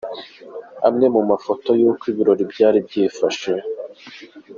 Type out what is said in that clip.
Amwe mu mafoto y’uko ibirori byari byifashe :.